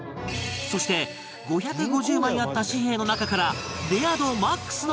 そして５５０枚あった紙幣の中から